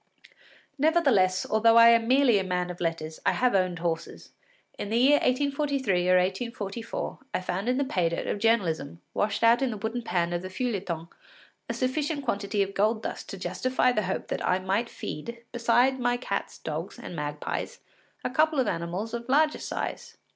Nevertheless, although I am merely a man of letters, I have owned horses. In the year 1843 or 1844, I found in the pay dirt of journalism, washed out in the wooden pan of the feuilleton, a sufficient quantity of gold dust to justify the hope that I might feed, besides my cats, dogs, and magpies, a couple of animals of larger size.